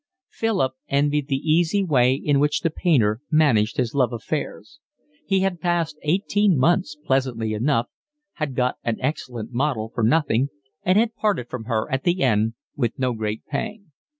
Philip envied the easy way in which the painter managed his love affairs. He had passed eighteen months pleasantly enough, had got an excellent model for nothing, and had parted from her at the end with no great pang.